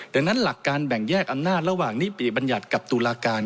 ดังนั้นหลักการแบ่งแยกอำนาจระหว่างนิติบัญญัติกับตุลาการ